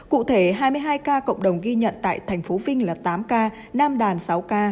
cụ thể hai mươi hai ca cộng đồng ghi nhận tại thành phố vinh là tám ca nam đàn sáu ca